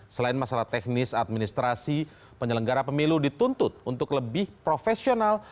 selain masalah teknis administrasi penyelenggara pemilu dituntut untuk lebih profesional